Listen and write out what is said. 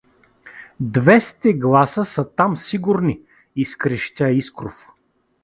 Двесте гласа са там сигурни — изкрещя Искров.